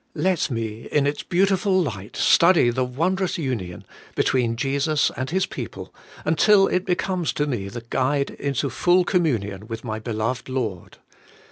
Let me, in its beautiful light, study the wondrous union between Jesus and His people, until it becomes to me the guide into full communion with my beloved Lord.